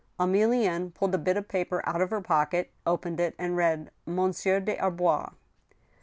Emilienne pulled a bit of paper out of her pocket, opened it, and read :" Monsieur des Arbois."